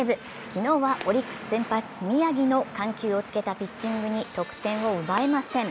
昨日はオリックス先発・宮城の緩急をつけたピッチングに得点を奪えません。